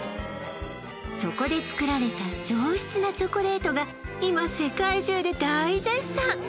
そこで作られた上質なチョコレートが今世界中で大絶賛